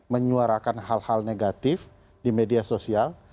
menyuarakan hal hal negatif di media sosial